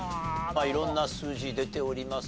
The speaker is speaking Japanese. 色んな数字出ております。